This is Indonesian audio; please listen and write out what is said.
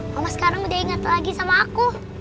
kamu sekarang udah inget lagi sama aku